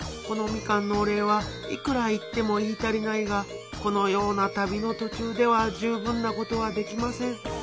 このみかんのおれいはいくら言っても言い足りないがこのような旅のとちゅうではじゅうぶんなことはできません。